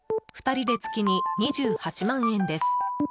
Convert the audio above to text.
２人で月に２８万円です。